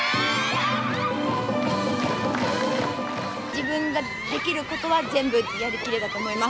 自分ができることは全部やりきれたと思います。